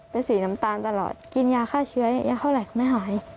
เป็นสีน้ำตาลตลอดกินยาฆ่าเชื้อยาเท่าไหร่ก็ไม่หาย